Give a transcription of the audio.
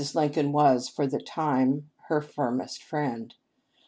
Lincoln was for the time her firmest friend.